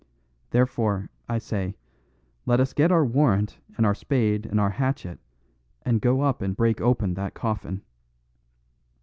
Therefore, I say, let us get our warrant and our spade and our hatchet, and go up and break open that coffin."